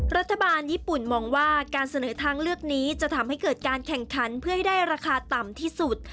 รัฐบาลญี่ปุ่นมองว่าการเสนอทางเลือกนี้จะทำให้เกิดการแข่งขันเพื่อให้ได้ราคาต่ำที่สุด